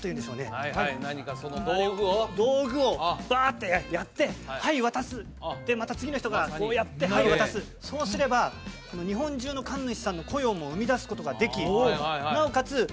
はいはい何かその道具を道具をバーッてやってはい渡すでまた次の人がこうやってはい渡すそうすれば日本中の神主さんの雇用も生み出すことができなおかつ